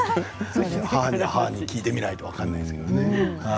母に聞いてみないと分からないですけれどね。